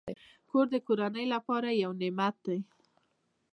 کور د کورنۍ لپاره یو نعمت دی.